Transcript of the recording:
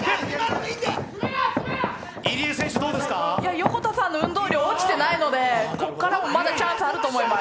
横田さんの運動量、落ちてないのでここからもまだチャンスあると思います。